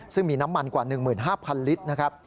ซึ่งมีน้ำมันกว่า๑๕๐๐ลิตรนะครับ